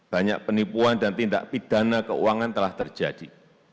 banyak penipuan dan tindak pidana keuangan telah terjadi